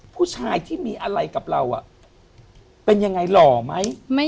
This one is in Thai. ผู้ชายที่มีอะไรกับเราเป็นยังไงหล่อไหม